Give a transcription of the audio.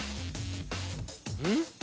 ・うん？